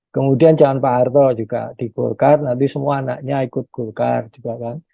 kemudian zaman pak harto juga di golkar nanti semua anaknya ikut golkar juga kan